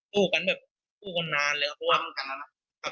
สู้กันแบบสู้กันนานเลยว่ามักก่อนครับ